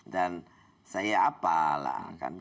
dan saya apalah